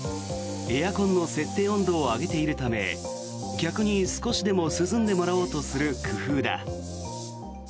エアコンの設定温度を上げているため客に少しでも涼んでもらおうとする工夫だ。